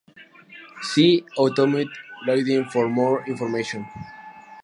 See automotive lighting for more information.